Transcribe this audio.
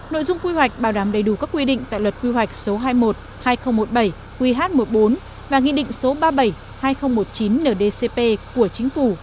nội dung quy hoạch bảo đảm đầy đủ các quy định tại luật quy hoạch số hai mươi một hai nghìn một mươi bảy qh một mươi bốn và nghị định số ba mươi bảy hai nghìn một mươi chín ndcp của chính phủ